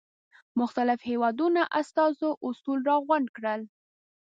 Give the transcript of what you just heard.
مختلفو هېوادونو استازو اصول را غونډ کړل.